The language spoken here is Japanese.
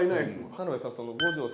田辺さん。